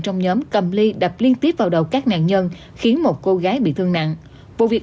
trong nhóm cầm ly đập liên tiếp vào đầu các nạn nhân khiến một cô gái bị thương nặng vụ việc